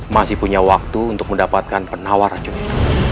masih punya waktu untuk mendapatkan penawar juga